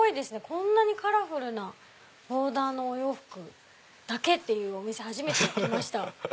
こんなにカラフルなボーダーのお洋服だけってお店初めて来ました。